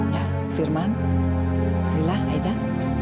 ya firman lila aida disini